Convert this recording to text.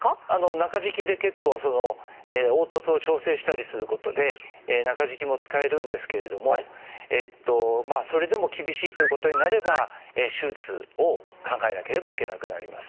中敷きで結構凹凸を調整したりすることで中敷きも使えるんですけれどもそれでも厳しいということになれば手術を考えなければいけなくなります。